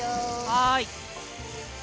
はい。